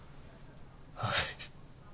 はい。